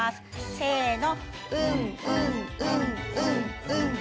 せの。